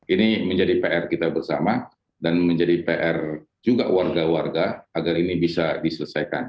ini menjadi pr kita bersama dan menjadi pr juga warga warga agar ini bisa diselesaikan